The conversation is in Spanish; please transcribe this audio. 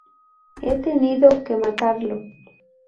He tenido que matarlo.